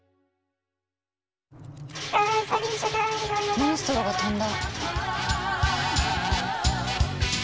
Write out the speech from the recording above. モンストロが飛んだ。